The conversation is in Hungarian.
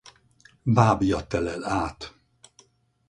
Bábja telel át.